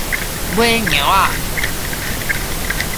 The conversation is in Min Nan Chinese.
尾蟯仔